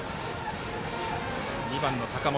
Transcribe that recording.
２番の坂本。